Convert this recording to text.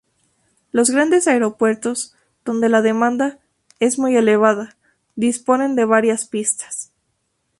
Los grandes aeropuertos, donde la demanda es muy elevada, disponen de varias pistas.